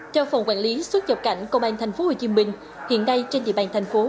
trong phòng quản lý xuất dọc cảnh công an tp hcm hiện nay trên địa bàn thành phố